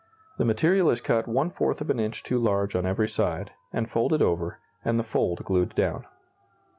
The material is cut one fourth of an inch too large on every side, and folded over, and the fold glued down.